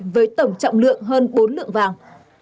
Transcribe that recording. với tổng trọng lượng hơn bốn lượng vàng